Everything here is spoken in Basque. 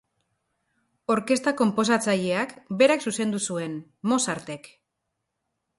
Orkestra konposatzaileak berak zuzendu zuen, Mozartek.